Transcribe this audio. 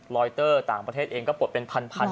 ลอยเตอร์ต่างประเทศเองก็ปลดเป็นพัน